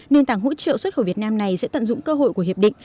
nền tảng hỗ trợ xuất khẩu việt nam này sẽ tận dụng cơ hội của hiệp định